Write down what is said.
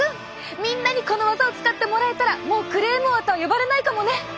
みんなにこの技を使ってもらえたらもうクレーム王と呼ばれないかもね！